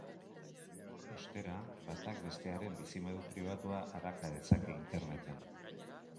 Ostera, batak bestearen bizimodu pribatua araka dezake Interneten.